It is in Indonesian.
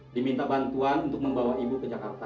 diminta bantuan untuk membawa ibu ke jakarta